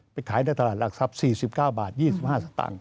ขายในตลาดหลักทรัพย์๔๙บาท๒๕สตางค